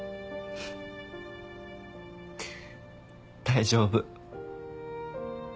大丈夫。